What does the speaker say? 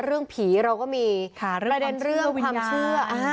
เรื่องผีเราก็มีประเด็นเรื่องความเชื่อ